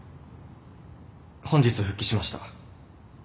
本日復帰しました。